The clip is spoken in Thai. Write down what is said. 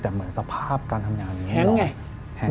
แต่เหมือนสภาพการทำงานนี้แหงร้อย